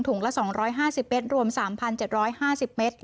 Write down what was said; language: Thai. ละ๒๕๐เมตรรวม๓๗๕๐เมตร